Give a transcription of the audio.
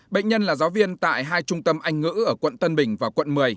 bệnh nhân là giáo viên tại hai trung tâm anh ngữ ở quận tân bình và quận một mươi